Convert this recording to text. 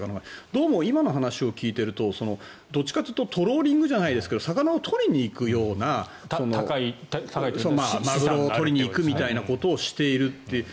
どうも今の話を聞いているとどっちかというとトローリングじゃないですが魚を取りに行くようなマグロを取りに行くことをしているみたいな。